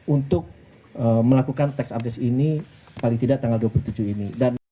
untuk melakukan tax abdes ini paling tidak tanggal dua puluh tujuh ini